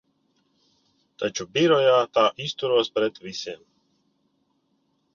Taču birojā tā izturos pret visiem.